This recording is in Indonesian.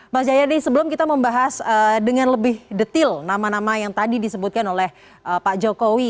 mas jayadi sebelum kita membahas dengan lebih detail nama nama yang tadi disebutkan oleh pak jokowi